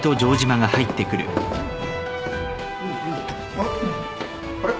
あらあれ？